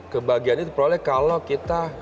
kebahagiaan itu diperoleh kalau kita bisa